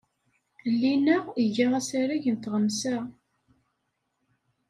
Llinna, iga asarag n tɣemsa.